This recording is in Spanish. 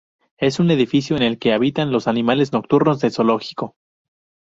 Es un edificio en el que habitan los animales nocturnos del zoológico.